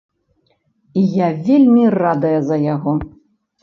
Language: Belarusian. І я вельмі радая за яго.